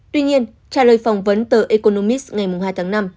tuy nhiên trả lời phỏng vấn tờ economist ngày hai tháng năm